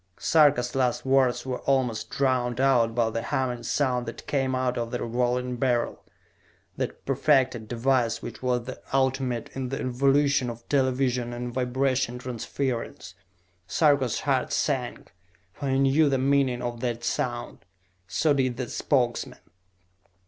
Sarka's last words were almost drowned out by the humming sound that came out of the Revolving Beryl, that perfected device which was the ultimate in the evolution of television and vibration transference. Sarka's heart sank, for he knew the meaning of that sound. So did the Spokesmen.